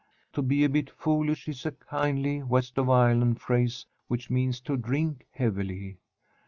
"To be a bit foolish" is a kindly, West of Ireland phrase which means to drink heavily.